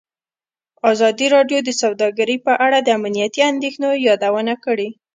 ازادي راډیو د سوداګري په اړه د امنیتي اندېښنو یادونه کړې.